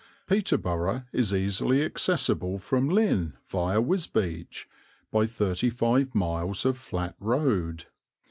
Peterborough is easily accessible from Lynn, viâ Wisbech, by thirty five miles of flat road.